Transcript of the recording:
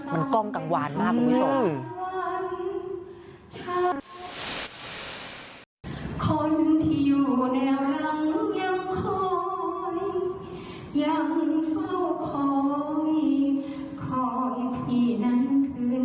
มันกล้องกลางวานมากคุณผู้ชม